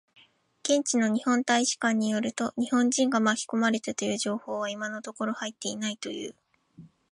現地の日本大使館によると、日本人が巻き込まれたという情報は今のところ入っていないという。